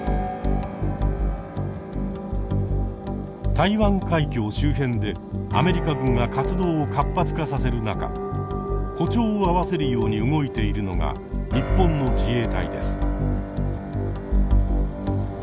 台湾海峡周辺でアメリカ軍が活動を活発化させる中歩調を合わせるように動いているのが日本の自衛隊です。